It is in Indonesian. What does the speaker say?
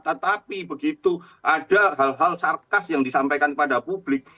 tetapi begitu ada hal hal sarkas yang disampaikan kepada publik